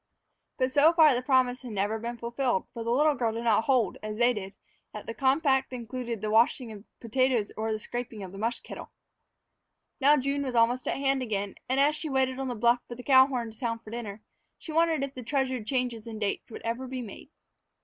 But so far the promise had never been fulfilled, for the little girl did not hold, as they did, that the compact included the washing of potatoes or the scraping of the mush kettle. Now, June was almost at hand again, and, as she waited on the bluff for the cow horn to sound the call for dinner, she wondered if the treasured change in dates would ever be made.